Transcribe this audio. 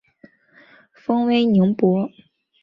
封威宁伯。